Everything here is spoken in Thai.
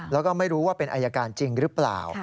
แล้วก็ไม่รู้ว่าเป็นอายการจริงหรือเปล่า